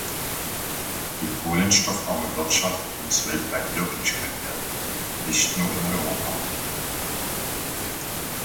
Die kohlenstoffarme Wirtschaft muss weltweit Wirklichkeit werden, nicht nur in Europa.